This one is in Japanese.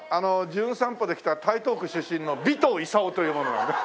『じゅん散歩』で来た台東区出身の尾藤イサオという者なんで。